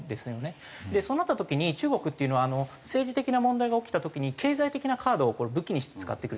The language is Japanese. そうなった時に中国っていうのは政治的な問題が起きた時に経済的なカードを武器にして使ってくる。